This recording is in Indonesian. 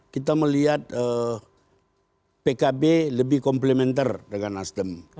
kita melihat pkb lebih komplementer dengan nasdem